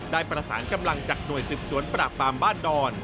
ได้ประสานกำลังจากหน่วยสืบสวนปราบปรามบ้านดอน